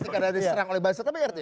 karena diserang oleh bazar tapi